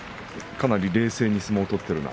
かなり冷静に相撲を取っている。